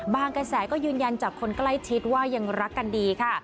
กระแสก็ยืนยันจากคนใกล้ชิดว่ายังรักกันดีค่ะ